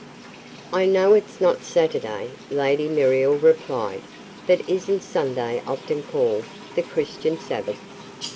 "I know it's not Saturday," Lady Muriel replied; "but isn't Sunday often called 'the Christian Sabbath'?"